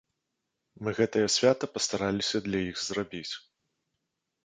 Мы гэтае свята пастараліся для іх зрабіць.